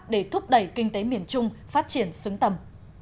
để thúc đẩy kinh tế miền trung phát triển xứng tầm